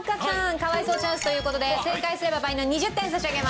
可哀想チャンスという事で正解すれば倍の２０点差し上げます。